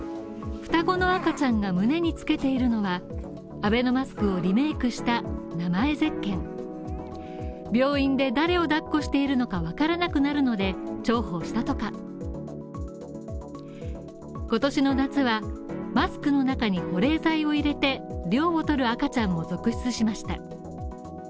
双子の赤ちゃんが胸につけているのは、アベノマスクをリメイクした名前ゼッケン病院で誰を抱っこしているのかわからなくなるので重宝したとか今年の夏はマスクの中に保冷剤を入れて涼をとる赤ちゃんも続出しました。